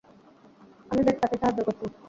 আমি ব্যস তাকে সাহায্য করছি।